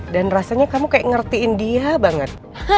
dan rasanya kamu kayak ngertiin dia banget